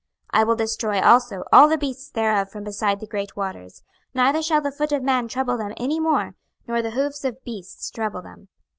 26:032:013 I will destroy also all the beasts thereof from beside the great waters; neither shall the foot of man trouble them any more, nor the hoofs of beasts trouble them.